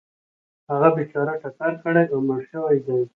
هغه بیچاره ټکر کړی او مړ شوی دی .